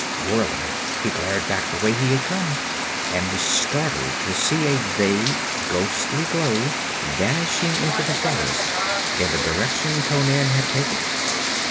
Whirling, he glared back the way he had come, and was startled to see a vague ghostly glow vanishing into the forest in the direction Conan had taken.